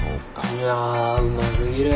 いやうますぎる。